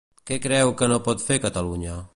Què creu que no pot fer Catalunya?